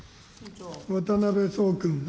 渡辺創君。